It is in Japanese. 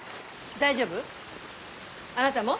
大丈夫。